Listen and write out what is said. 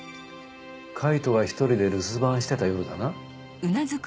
海人が１人で留守番してた夜だな？